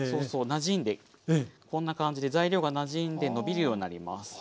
なじんでこんな感じで材料がなじんでのびるようなります。